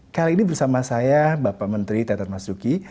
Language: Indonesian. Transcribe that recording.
kali ini bersama saya bapak menteri teton masuki